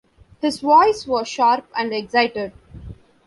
His voice was sharp and excited.